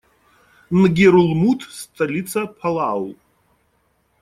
Нгерулмуд - столица Палау.